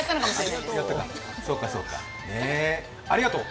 ありがとう。